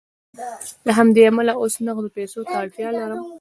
له همدې امله اوس نغدو پیسو ته اړتیا لرم